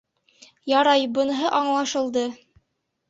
Ярай, быныһы аңлашылды.